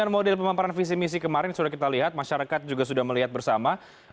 jadi pemaparan visi misi kemarin sudah kita lihat masyarakat juga sudah melihat bersama